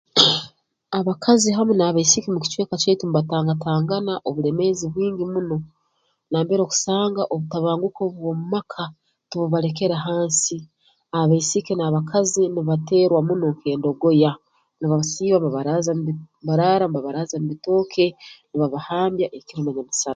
Abakazi hamu n'abaisiki mu kicweka kyaitu mbatangatangana obulemeezi bwingi muno nambere okusanga obutabanguko bw'omu maka tububalekere hansi abaisiki n'abakazi nibateerwa muno nk'endogoya nibasiiba mbaraara mbabaraaza mu bitooke nibabahambya ekiro na nyamusana